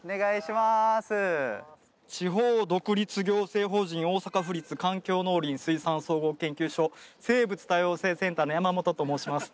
地方独立行政法人大阪府立環境農林水産総合研究所生物多様性センターの山本と申します。